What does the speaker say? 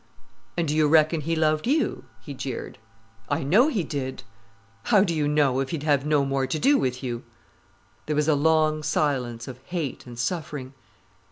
"And do you reckon he loved you?" he jeered. "I know he did." "How do you know, if he'd have no more to do with you?" There was a long silence of hate and suffering.